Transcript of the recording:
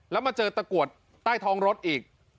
แล้วมาเจอตะกรวดใต้ท้องรถอีก